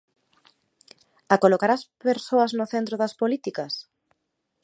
A colocar ás persoas no centro das políticas?